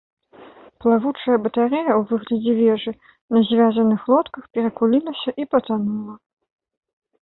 Плывучая батарэя ў выглядзе вежы на звязаных лодках перакулілася і патанула.